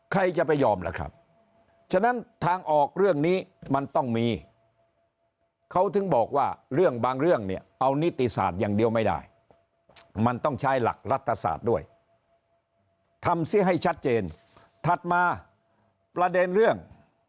ใครจะไปยอมล่ะครับฉะนั้นทางออกเรื่องนี้มันต้องมีเขาถึงบอกว่าเรื่องบางเรื่องเนี่ยเอานิติศาสตร์อย่างเดียวไม่ได้มันต้องใช้หลักรัฐศาสตร์ด้วยทำซิให้ชัดเจนถัดมาประเด็นเรื่อง